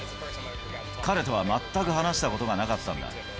彼とは全く話したことがなかったんだ。